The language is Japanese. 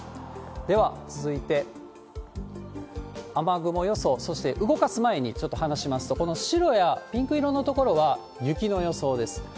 では続いて、雨雲予想、そして動かす前にちょっと話しますと、この白やピンク色の所は雪の予想です。